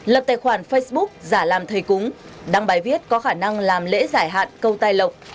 lập tài khoản facebook giả làm thầy cúng đăng bài viết có khả năng làm lễ giải hạn cầu tài lọc